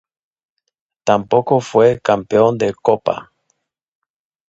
Tampoco fue campeón de Copa.